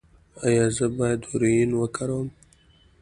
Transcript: ایا زه باید هیرویین وکاروم؟